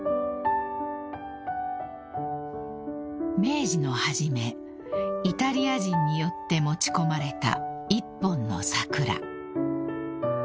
［明治の初めイタリア人によって持ち込まれた１本の桜］